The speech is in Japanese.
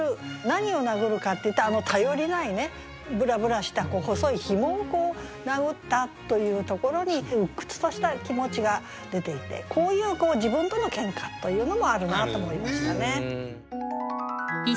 何を殴るかっていうとあの頼りないぶらぶらした細いヒモを殴ったというところに鬱屈とした気持ちが出ていてこういう自分とのケンカというのもあるなと思いましたね。